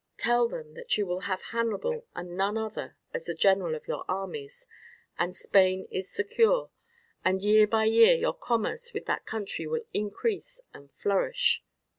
Tell them that you will have Hannibal and none other as the general of your armies, and Spain is secure, and year by year your commerce with that country will increase and flourish."